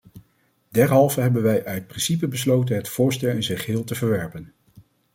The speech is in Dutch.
Derhalve hebben wij uit principe besloten het voorstel in zijn geheel te verwerpen.